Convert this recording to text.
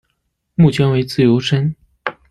目前为自由身。